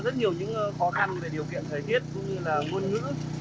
rất nhiều những khó khăn về điều kiện thời tiết cũng như là ngôn ngữ